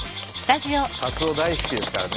カツオ大好きですからね